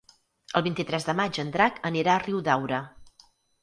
El vint-i-tres de maig en Drac anirà a Riudaura.